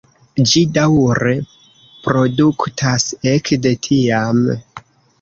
Ĝi daŭre produktas ekde tiam.